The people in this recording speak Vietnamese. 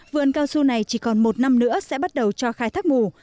vườn cao su này chỉ còn một năm nữa sẽ bắt đầu cho khai thác mù